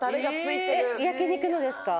焼き肉のですか？